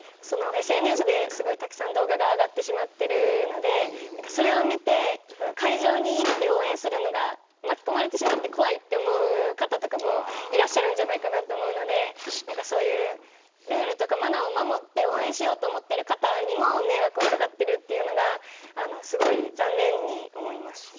ＳＮＳで、たくさん動画が上がってしまっているのでそれを見て会場に行って応援するのが巻き込まれてしまうと怖いという方とかもいらっしゃるんじゃないかなと思うのでルールとかマナーを守って応援しようと思ってる方にも迷惑がかかってるというのは残念に思います。